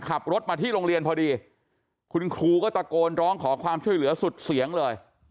ขับรถมาที่โรงเรียนพอดีคุณครูก็ตะโกนร้องขอความช่วยเหลือสุดเสียงเลย